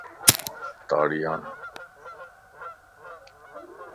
تاڙي ھڙ